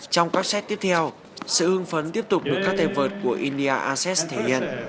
trong các set tiếp theo sự hương phấn tiếp tục được các tên vượt của india assets thể hiện